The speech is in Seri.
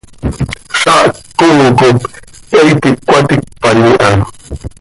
Zaah ccooo cop he iti cöcaticpan iha.